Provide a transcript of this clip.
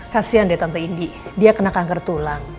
kasian dia tante indi dia kena kanker tulang